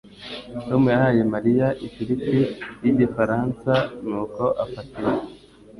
Tom yahaye Mariya ifiriti y Igifaransa nuko afata imwe.